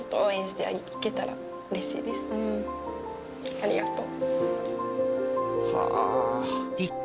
ありがとう。